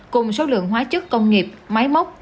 cùng số lượng hóa chất công nghiệp máy móc